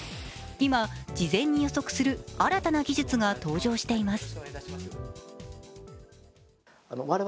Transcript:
今、事前に予測する新たな技術が登場しています。